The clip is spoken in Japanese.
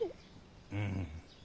うん。